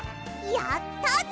やったぞ！